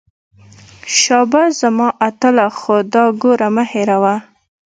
شابه زما اتله خو دا ګوره مه هېروه.